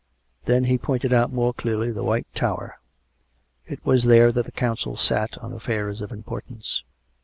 Then he pointed out more clearly the White Tower. It was there that the Council sat on affairs of importance.